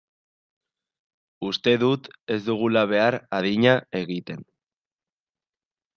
Uste dut ez dugula behar adina egiten.